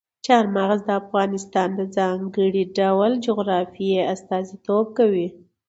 چار مغز د افغانستان د ځانګړي ډول جغرافیې استازیتوب کوي.